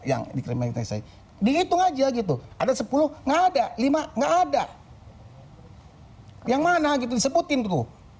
yang dikrimai saya dihitung aja gitu ada sepuluh enggak ada lima enggak ada yang mana gitu sebutin tuh